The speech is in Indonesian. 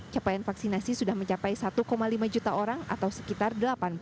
capaian vaksinasi sudah mencapai satu lima juta orang atau sekitar delapan puluh